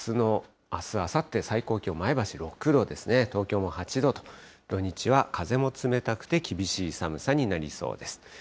あす、あさっての最高気温、前橋６度ですね、東京も８度と、土日は風も冷たくて厳しい寒さになりそうです。